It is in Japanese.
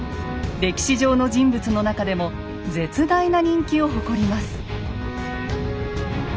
歴史上の人物の中でも絶大な人気を誇ります。